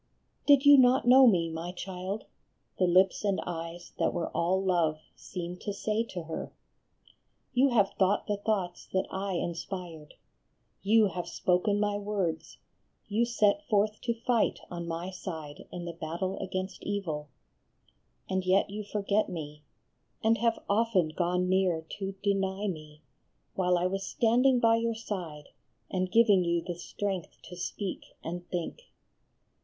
"Din you not know Me, my child? " the lips and eyes that were all love seemed to say to her. " You have thought the thoughts that I inspired, you have spoken my words, you set forth to fight on my side in the battle against evil ; and yet you forget me, and have often gone near to deny me, while I was standing by your side and giving you the strength to speak and think.